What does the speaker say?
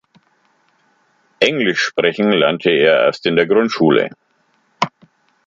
Englisch sprechen lernte er erst in der Grundschule.